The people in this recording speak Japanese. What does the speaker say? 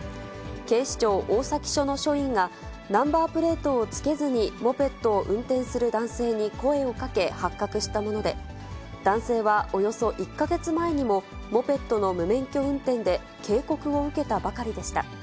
警視庁大崎署の署員が、ナンバープレートをつけずにモペットを運転する男性に声をかけ、発覚したもので、男性はおよそ１か月前にも、モペットの無免許運転で警告を受けたばかりでした。